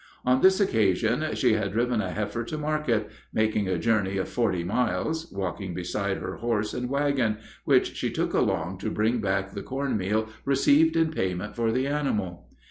On this occasion she had driven a heifer to market, making a journey of forty miles, walking beside her horse and wagon, which she took along to bring back the corn meal received in payment for the animal.